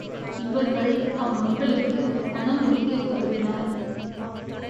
இவர்கள் தம் மக்களுக்கு மணம் முடிக்கக் கருதினர்.